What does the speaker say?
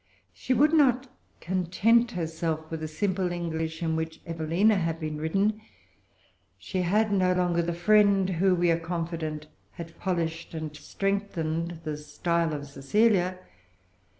She would not content herself with the simple English in which Evelina had been written. She had no longer the friend who, we are confident, had polished and strengthened the style of Cecilia.